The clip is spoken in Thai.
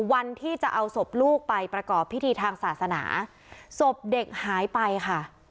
วันที่จะเอาศพลูกไปประกอบพิธีทางศาสนาศพเด็กหายไปค่ะ